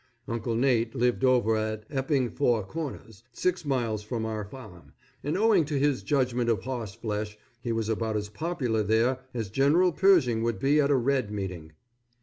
Uncle Nate lived over at Epping Four Corners, six miles from our farm, and owing to his judgment of horse flesh he was about as popular there as General Pershing would be at a Red meeting.